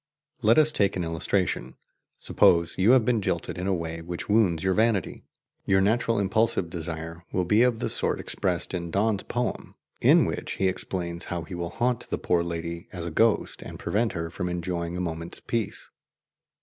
Let us take an illustration. Suppose you have been jilted in a way which wounds your vanity. Your natural impulsive desire will be of the sort expressed in Donne's poem: When by thy scorn, O Murderess, I am dead, in which he explains how he will haunt the poor lady as a ghost, and prevent her from enjoying a moment's peace.